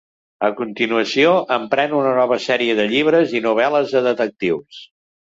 A continuació, emprèn una nova sèrie de llibres i novel·les de detectius.